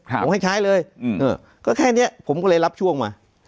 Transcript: ผมให้ใช้เลยก็แค่นี้ผมก็เลยรับช่วงมา